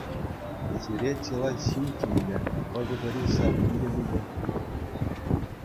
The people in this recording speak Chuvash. Сире чылай ҫын тимлӗ, хӑшӗ-пӗри савни те тупӗ.